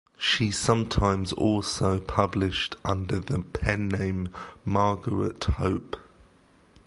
She sometimes also published under the pen name Margaret Hope.